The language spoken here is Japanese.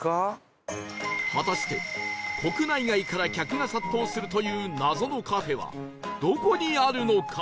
果たして国内外から客が殺到するという謎のカフェはどこにあるのか？